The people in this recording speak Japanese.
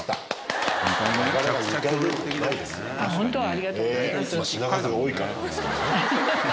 ありがとうございます